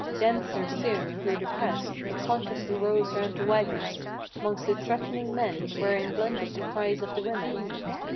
Denser soon grew the press. A contest arose round the wagons 'Mongst the threatening men, wherein blended the cries of the women.